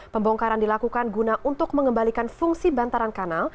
pembongkaran dilakukan guna untuk mengembalikan fungsi bantaran kanal